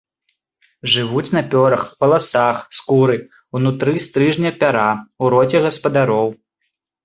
Жывуць на пёрах, валасах, скуры, унутры стрыжня пяра, у роце гаспадароў.